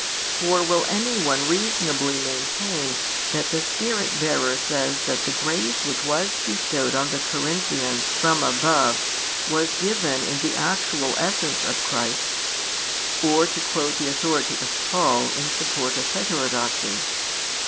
For will any one reasonably maintain that the Spirit bearer says that the grace which was bestowed on the Corinthians from above was given "in the actual essence of Christ," or to quote the authority of Paul in support of heterodoxy?